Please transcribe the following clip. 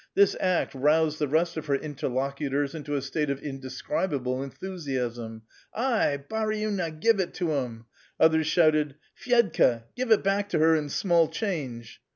This act roused the rest of her interlocutors into a state of inde scribable enthusiasm. " Ay I baruina ! give it to him 1 " Others shouted :—" Fyedka ! give it back to her in small change